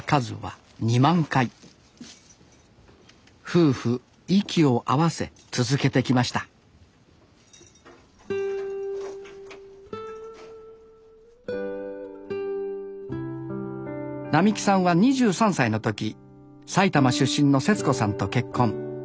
夫婦息を合わせ続けてきました並喜さんは２３歳の時埼玉出身のせつ子さんと結婚。